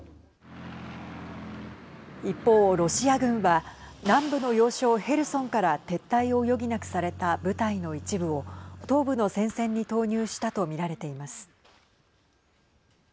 一方、ロシア軍は南部の要衝ヘルソンから撤退を余儀なくされた部隊の一部を東部の戦線に投入したと見られています。